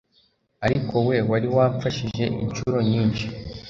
Ariko we wari wamfashije inshuro nyinshi